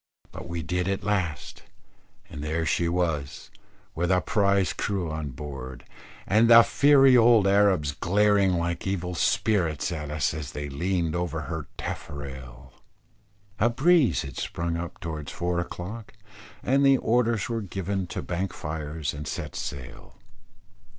But we did at last, and there she was, with a prize crew on board, and the fiery old Arabs glaring like evil spirits at us as they leaned over her taffrail. A breeze had sprung up towards four o'clock, and the orders were given to bank fires and set sail.